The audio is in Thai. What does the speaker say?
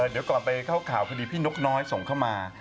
เดี๋ยวก่อนไปเข้าข่าวคดีพี่นกน้อยส่งเข้ามา